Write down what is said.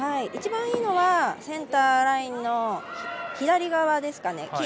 一番いいのはセンターラインの左側ですかね。